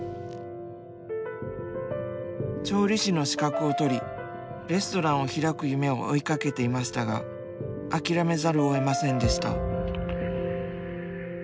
調理師の資格を取りレストランを開く夢を追いかけていましたが諦めざるをえませんでした。